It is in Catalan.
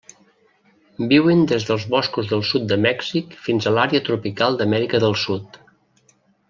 Viuen des dels boscos del sud de Mèxic fins a l'àrea tropical d'Amèrica del Sud.